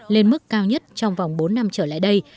lên mức cao nhất trong vòng bốn năm trở lại đây